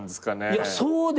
いやそうでしょ。